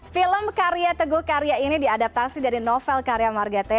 film karya teguh karya ini diadaptasi dari novel karya margate